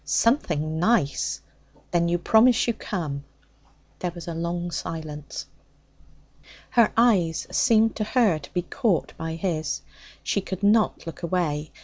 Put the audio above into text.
'Something nice. Then you promise to come?' There was a long silence. Her eyes seemed to her to be caught by his. She could not look away.